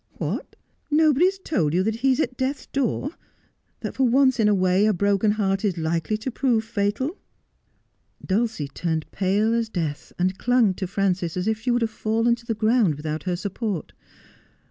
'What, nobody has told you that he is at death's door — that for once in a way a broken heart is likely to prove fatal I ' Dulcie turned pale as death, and clung to Frances as if she would have fallen to the ground without her support.